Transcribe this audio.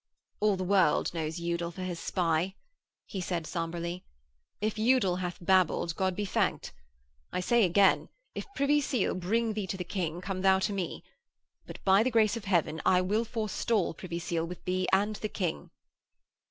'All the world knows Udal for his spy,' he said, sombrely. 'If Udal hath babbled, God be thanked. I say again: if Privy Seal bring thee to the King, come thou to me. But, by the Grace of Heaven, I will forestall Privy Seal with thee and the King!'